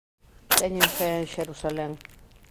Teñen fe en Xerusalén.